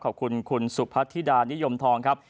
ขอบคุณคุณสุพัทธิดานิยมทองครับ